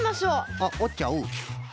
あっおっちゃう。